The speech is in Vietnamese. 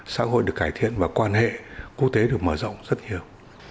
xã hội được cải thiện và quan hệ quốc tế được mở rộng rất nhiều